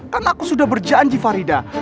kan aku sudah berjanji farida